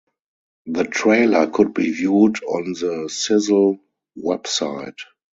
The trailer could be viewed on the Zizzle website.